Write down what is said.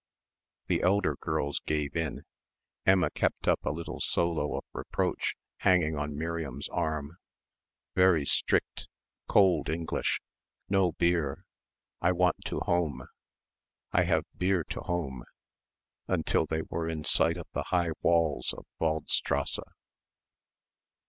The elder girls gave in. Emma kept up a little solo of reproach hanging on Miriam's arm. "Very strict. Cold English. No bier. I want to home. I have bier to home" until they were in sight of the high walls of Waldstrasse.